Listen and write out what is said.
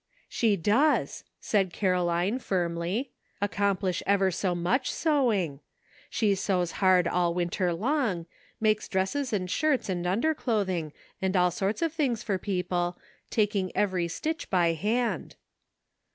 "She does," said Caroline firmly, "accom plish ever so much sewing. She sews hard all winter long ; makes dresses and shirts and underclothing, and all sorts of things for peo ple, taking every stitch by hand."